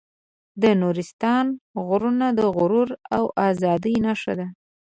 د نورستان غرونه د غرور او ازادۍ نښه ده.